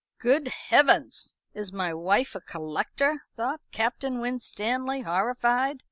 "Good Heavens! is my wife a collector?" thought Captain Winstanley, horrified.